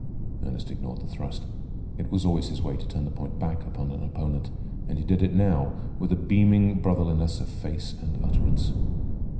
Ernest ignored the thrust. It was always his way to turn the point back upon an opponent, and he did it now, with a beaming brotherliness of face and utterance.